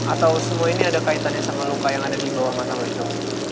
atau semua ini ada kaitannya sama luka yang ada di bawah matang itu